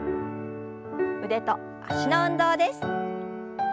腕と脚の運動です。